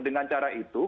dengan cara itu